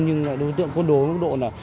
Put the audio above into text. nhưng đối tượng côn đối với độ là